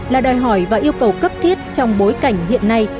là đòi hỏi và yêu cầu cấp thiết trong bối cảnh hiện nay